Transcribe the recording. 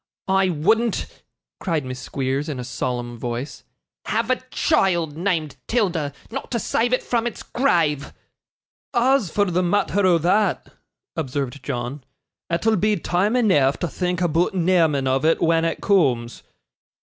I wouldn't,' cried Miss Squeers in a solemn voice, 'have a child named 'Tilda, not to save it from its grave.' 'As for the matther o' that,' observed John, 'it'll be time eneaf to think aboot neaming of it when it cooms.